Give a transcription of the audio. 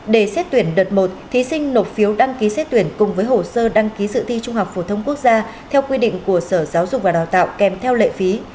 để xét tuyển đợt một thí sinh nộp phiếu đăng ký xét tuyển cùng với hồ sơ đăng ký sự thi trung học phổ thông quốc gia theo quy định của sở giáo dục và đào tạo kèm theo lệ phí